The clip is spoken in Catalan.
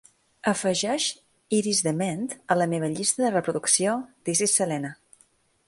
Afegeix Iris DeMent a la meva llista de reproducció This is selena